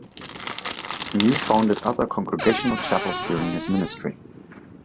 New founded other Congregational chapels during his ministry.